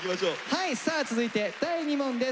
はいさあ続いて第２問です。